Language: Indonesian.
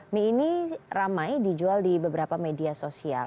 mie ini ramai dijual di beberapa media sosial